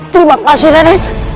terima kasih rade